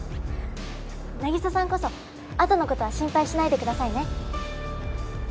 凪沙さんこそ後のことは心配しないでくださいね！